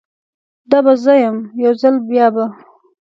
دا به زه یم، یو ځل بیا به